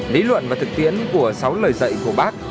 lý luận và thực tiễn của sáu lời dạy của bác hồ dạy